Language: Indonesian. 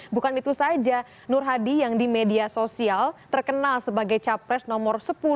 bukan itu saja nur hadi yang di media sosial terkenal sebagai capres nomor sepuluh